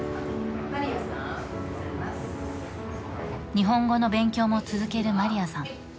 日本語の勉強も続けるマリアさん。